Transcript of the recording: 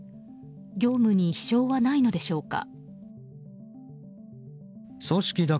業務に支障はないのでしょうか。